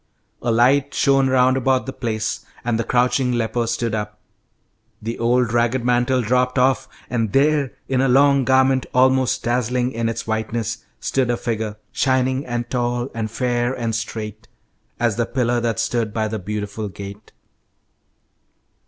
A light shone round about the place, and the crouching leper stood up. The old ragged mantle dropped off, and there in a long garment almost dazzling in its whiteness, stood a figure "Shining and tall, and fair, and straight As the pillar that stood by the Beautiful gate."